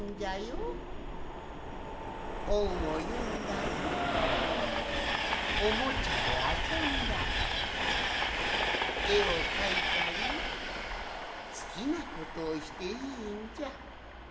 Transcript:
ほんをよんだりおもちゃであそんだりえをかいたりすきなことをしていいんじゃ。